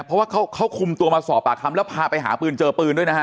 เพราะว่าเขาคุมตัวมาสอบปากคำแล้วพาไปหาปืนเจอปืนด้วยนะฮะ